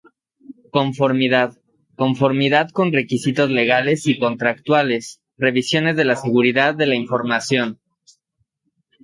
Conformidad: conformidad con requisitos legales y contractuales; revisiones de la seguridad de la información.